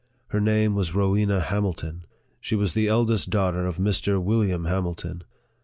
Her name was Rowena Hamilton. She was the eldest daughter of Mr. William Hamilton.